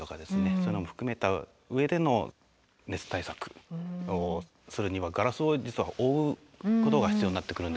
そういうのも含めた上での熱対策をするにはガラスを実は覆うことが必要になってくるんではないかなと思っております。